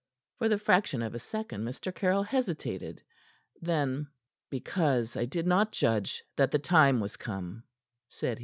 For the fraction of a second Mr. Caryll hesitated. Then: "Because I did not judge that the time was come," said he.